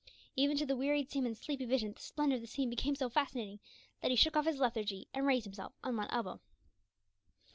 Even to the wearied seaman's sleepy vision the splendour of the scene became so fascinating, that he shook off his lethargy, and raised himself on one elbow.